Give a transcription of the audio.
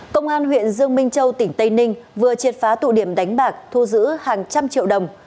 công an huyện dương minh châu tỉnh tây ninh vừa triệt phá tụ điểm đánh bạc thu giữ hàng trăm triệu đồng